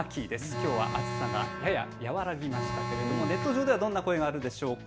きょうは暑さがやや和らぎましたけれどもネット上ではどんな声があるでしょうか。